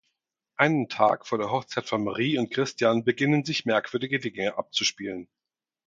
Einen Tag vor der Hochzeit von Marie und Christian beginnen sich merkwürdige Dinge abzuspielen.